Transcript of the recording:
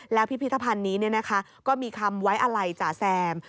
แล้วพิพิธภัณฑ์นี้ก็มีคำไว้อะไรจ๋าแซม